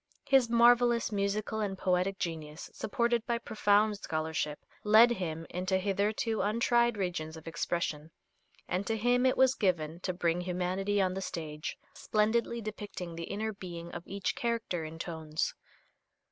His marvelous musical and poetic genius, supported by profound scholarship, led him into hitherto untried regions of expression, and to him it was given to bring humanity on the stage, splendidly depicting the inner being of each character in tones.